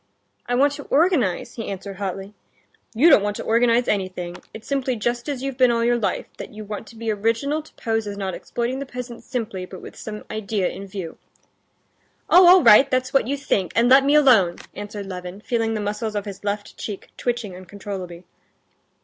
I want to organize...." he answered hotly. "You don't want to organize anything; it's simply just as you've been all your life, that you want to be original to pose as not exploiting the peasants simply, but with some idea in view." "Oh, all right, that's what you think—and let me alone!" answered Levin, feeling the muscles of his left cheek twitching uncontrollably.